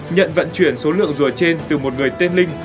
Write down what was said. nhận vận chuyển số lượng rùa trên từ một người tên linh